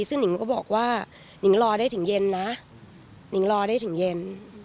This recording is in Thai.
ซึ่งนิงก็บอกว่านิงรอได้ถึงเย็นนะนิงรอได้ถึงเย็น